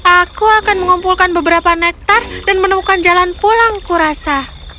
aku akan mengumpulkan beberapa nektar dan menemukan jalan pulang kurasa